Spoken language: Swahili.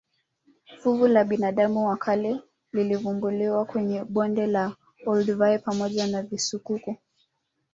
Fuvu la binadamu wa kale lilivumbuliwa kwenye bonde la olduvai pamoja na visukuku